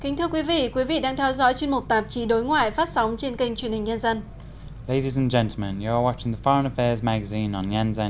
hãy đăng ký kênh để ủng hộ kênh của chúng mình nhé